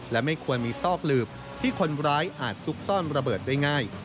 และไม่ควรมีซอกหลืบที่คนร้ายอาจซุกซ่อนระเบิดได้ง่าย